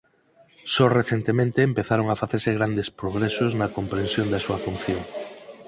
Só recentemente empezaron a facerse grandes progresos na comprensión da súa función.